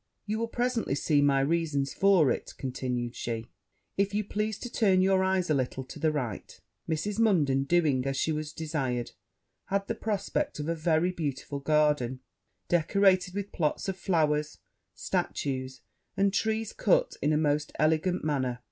You will presently see my reasons for it,' continued she, 'if you please to turn your eyes a little to the right.' Mrs. Munden doing as she was desired, had the prospect of a very beautiful garden, decorated with plots of flowers, statues, and trees cut in a most elegant manner.